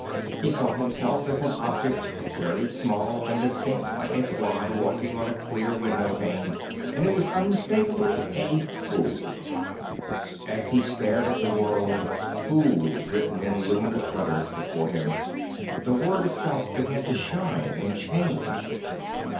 He saw him self as an object, very small and distinct like a fly walking on a clear window pane; and it was un mistakably a fool. And as he stared at the word II fool" written in luminous letters before him, the word itself began to shine and change.